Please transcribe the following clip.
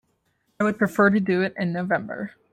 I would prefer to do it in November.